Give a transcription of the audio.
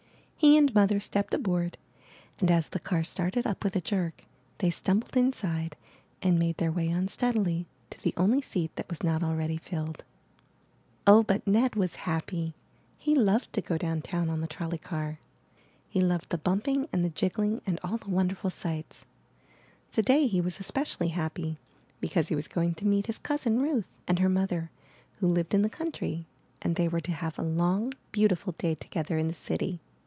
He and Mother stepped aboard, and, as the car started up with a jerk, they stumbled inside and made their way unsteadily to the only seat that was not already filled. Oh, but Ned was happy! He loved to go down 396 IN THE NURSERY town on the trolley car. He loved the bumping and the jiggling and all the wonderful sights. Today he was especially happy because he was going to meet his cousin, Ruth, and her mother, who lived in the country, and they were to have a long, beautiful day together in the city.